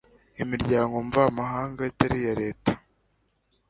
imiryango mvamahanga itari iya leta